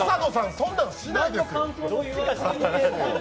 そんなしないですよ。